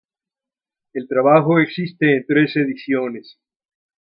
El trabajo existe en tres ediciones.